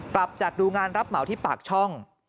กลับจากดูงานรับเหมาที่ปากช่อง